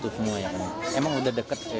ditutup semua ya pak emang sudah dekat kebakaran